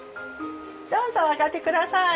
どうぞ上がってください！